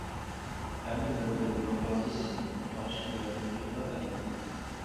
ئەمدى بىلدىم ۋاپاسىز سېنى، ئاشىق يۈرەك يىغلار ئەلەمدىن.